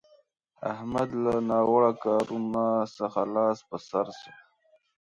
احمد له ناوړه کارونه څخه لاس پر سو شو.